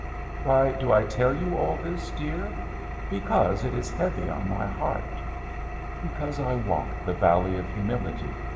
Why do I tell you all this, dear? Because it is heavy on my heart. Because I walk the Valley of Humility.